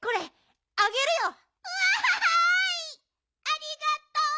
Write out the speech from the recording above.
ありがとう！